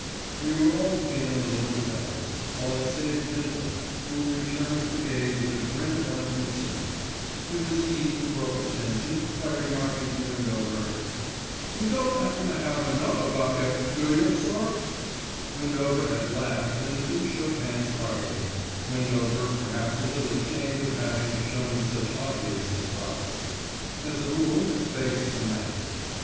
We were all feeling a little embarrassed, all save Bindle, who returned the gaze with a grin of unconcern. It was he who broke the tension by remarking to Windover. "You don't 'appen to 'ave a nut about yer, do you sir?" Windover had laughed and the two shook hands heartily, Windover perhaps a little ashamed of having shown such obvious surprise. As a rule his face is a mask.